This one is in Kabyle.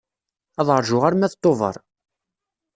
Ad rǧuɣ arma d Tuber.